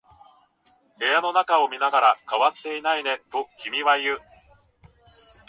部屋の中を見ながら、変わっていないねと君は言う。